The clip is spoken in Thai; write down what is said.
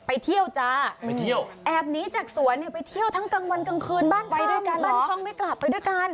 ไปเที่ยวจ้าไปเที่ยวแอบหนีจากสวนเนี่ยไปเที่ยวทั้งกลางวันกลางคืนบ้างไปด้วยกันบ้านช่องไม่กลับไปด้วยกัน